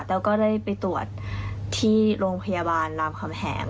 แล้วก็ได้ไปตรวจที่โรงพยาบาลรามคำแหง